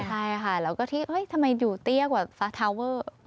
ใช่ค่ะแล้วก็ที่ทำไมอยู่เตี้ยกว่าฟ้าทาเวอร์